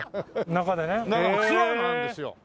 中でツアーがあるんですよ。